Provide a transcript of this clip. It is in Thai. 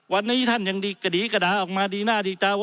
วันนี้ท่านยังดีกระดีกระดาษออกมาดีหน้าดีตาว่า